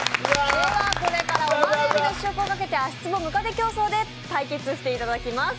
では、これからオマール海老の試食をかけて「足つぼムカデ競走」で対決していただきます。